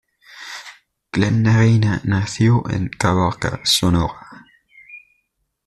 Glenda Reyna nació en Caborca, Sonora.